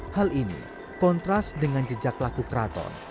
hal ini kontras dengan jejak laku keraton